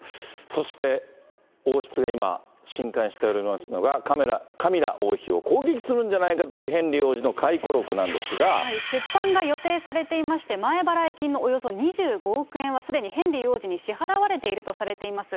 そして王室が今、しんかんしておりますのが、カミラ王妃を攻撃するんじゃないかというヘンリー王子の回顧録な出版が予定されていまして、前払い金のおよそ２５億円はすでにヘンリー王子に支払われているとされています。